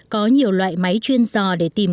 có nhiều loại máy chuyên dò để tìm